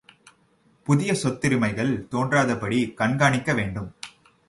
புதிய சொத்துரிமைகள் தோன்றாதபடி கண் காணிக்க வேண்டும்.